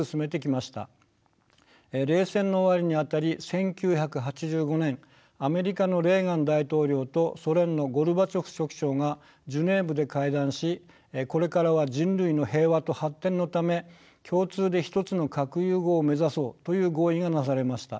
冷戦の終わりにあたり１９８５年アメリカのレーガン大統領とソ連のゴルバチョフ書記長がジュネーブで会談し「これからは人類の平和と発展のため共通で一つの核融合を目指そう」という合意がなされました。